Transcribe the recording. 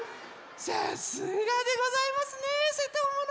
さすがでございますねせともの。